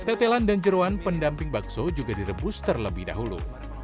tetelan dan jeruan pendamping bakso juga direbus terlebih dahulu